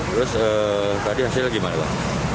terus tadi hasilnya gimana pak